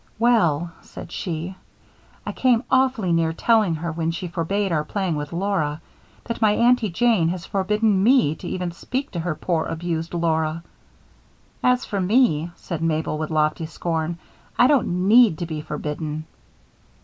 "Well," said she, "I came awfully near telling her when she forbade our playing with Laura that my Aunty Jane has forbidden me to even speak to her poor abused Laura." "As for me," said Mabel, with lofty scorn, "I don't need to be forbidden."